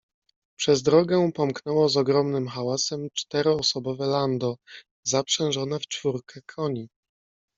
"Przez drogę pomknęło z ogromnym hałasem czteroosobowe lando, zaprzężone w czwórkę koni."